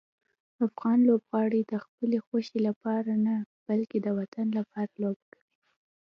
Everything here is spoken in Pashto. افغان لوبغاړي د خپلې خوښۍ لپاره نه، بلکې د وطن لپاره لوبه کوي.